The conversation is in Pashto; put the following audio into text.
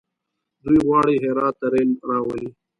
دوی غواړي هرات ته ریل راولي.